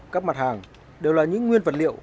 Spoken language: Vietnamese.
các mặt hàng đều là những nguyên vật liệu